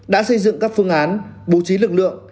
đã xây dựng các phương án bố trí lực lượng